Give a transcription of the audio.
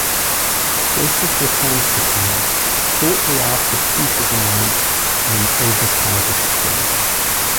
Joseph returns to Paris shortly after peace is announced in an over-crowded train.